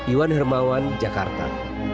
iwan hermawan jakarta